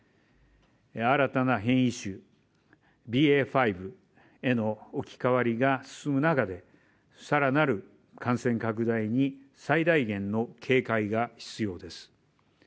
新たな変異種、ＢＡ．５への置き換わりが進む中で更なる感染拡大に最大限の警戒が必要です。